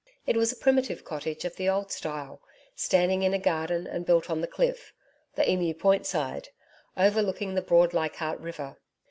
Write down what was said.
It was a primitive cottage of the old style, standing in a garden and built on the cliff the Emu Point side overlooking the broad Leichardt River.